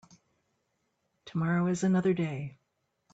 Tomorrow is another day.